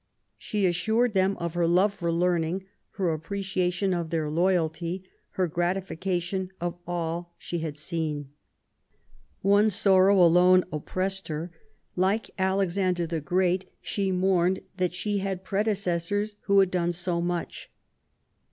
She assured them of her love for learning, her apprecia tion of their loyalty, her gratification of all she had seen. One sorrow alone oppressed her; like Alexander the Great, she mourned that she had predecessors who had done so much.